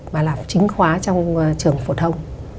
mà là chính khóa trong trường phổ thông